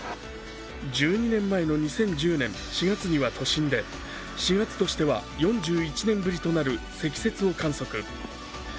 １２年前の２０１０年４月には、都心で４月としては４１年ぶりとなる積雪を観測。